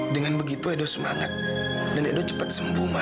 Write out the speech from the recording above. dengan begitu edo semangat dan edo cepat sembuh ma